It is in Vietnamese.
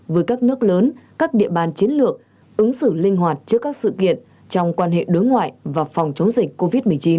với các nước lớn các địa bàn chiến lược ứng xử linh hoạt trước các sự kiện trong quan hệ đối ngoại và phòng chống dịch covid một mươi chín